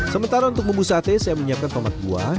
sementara untuk bumbu sate saya menyiapkan tomat buah